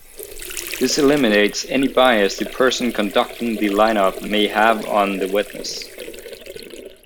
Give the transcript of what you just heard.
This eliminates any bias the person conducting the lineup may have on the witness.